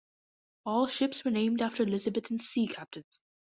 All ships were named after Elizabethan sea captains.